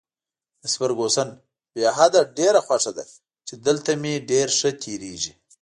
مس فرګوسن: بې حده، ډېره خوښه ده چې دلته مې ډېر ښه تېرېږي.